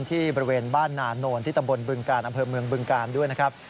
ที่บริเวณบ้านนานนที่ตำบลบึงกาลอำเภอเมืองบึงกาลด้วยนะครับ